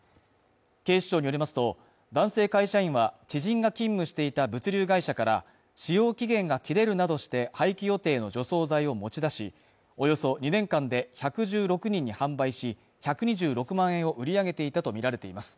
警視庁によりますと、男性会社員は、知人が勤務していた物流会社から使用期限が切れるなどして、廃棄予定の除草剤を持ち出し、およそ２年間で１１６人に販売し、１２６万円を売り上げていたとみられています。